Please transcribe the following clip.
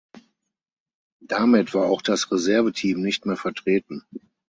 Damit war auch das Reserveteam nicht mehr vertreten.